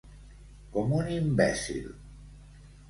Com un imbècil.